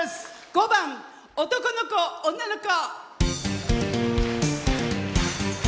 ５番「男の子女の子」。